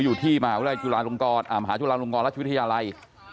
อยู่ที่มหาวิทยาลัยจุฬาลงกรอ่ามหาวิทยาลัยจุฬาลงกรราชวิทยาลัย